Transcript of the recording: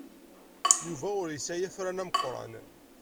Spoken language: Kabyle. Yuba ur yesɛi afran ameqran.